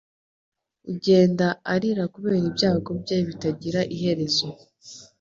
ugenda arira kubera ibyago bye bitagira iherezo